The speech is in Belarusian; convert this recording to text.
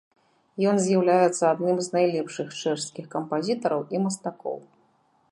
Ён з'яўляецца адным з найлепшых чэшскіх кампазітараў і мастакоў.